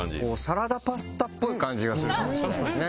サラダパスタっぽい感じがするかもしれないですね。